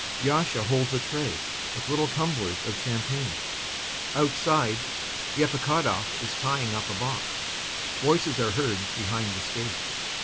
YASHA holds a tray with little tumblers of champagne. Outside, EPIKHODOV is tying up a box. Voices are heard behind the stage.